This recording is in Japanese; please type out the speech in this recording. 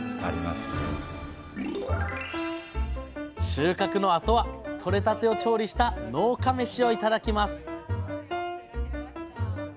収穫のあとはとれたてを調理した農家めしを頂きます！